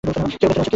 কেউ ভেতরে আছো?